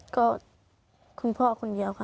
ก็คุณพ่อคนเดียวค่ะ